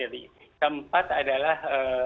kemudian keempat adalah